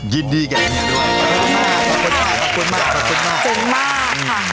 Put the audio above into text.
เยี่ยมมาก